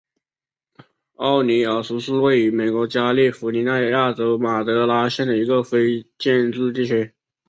奥尼尔斯是位于美国加利福尼亚州马德拉县的一个非建制地区。